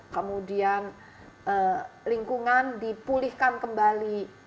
kemudian lingkungan dipulihkan kembali